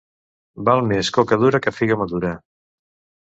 Val més coca dura que figa madura.